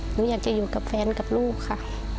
หนูอยากจะอยู่กับแฟนกับลูกค่ะ